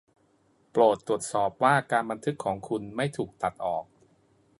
โปรดตรวจสอบว่าการบันทึกของคุณไม่ถูกตัดออก